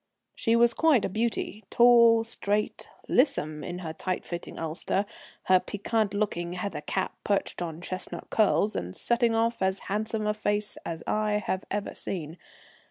She was quite a beauty, tall, straight, lissom, in her tight fitting ulster; her piquante looking heather cap perched on chestnut curls, and setting off as handsome a face as I have ever seen.